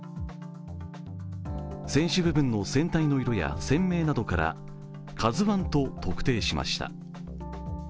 船首部分の船体の色や船名などから「ＫＡＺＵⅠ」と特定しました。